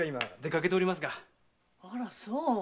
あらそう。